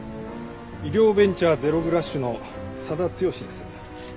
医療ベンチャーゼロ・グラッシュの佐田毅です。